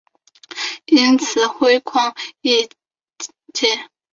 因此辉钼矿易解理。